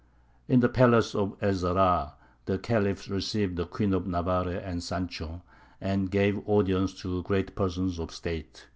In the palace of Ez Zahrā the Khalif received the Queen of Navarre and Sancho, and gave audience to great persons of State.